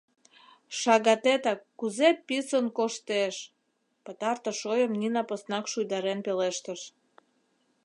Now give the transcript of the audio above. Шагатетак кузе писын коштеш!, — пытартыш ойым Нина поснак шуйдарен пелештыш.